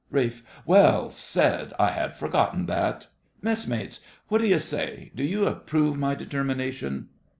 RALPH. Well said—I had forgotten that. Messmates—what do you say? Do you approve my determination?